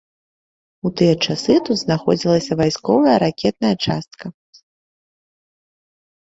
У тыя часы тут знаходзілася вайсковая ракетная частка.